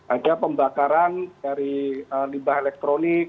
ada pembakaran dari limbah elektronik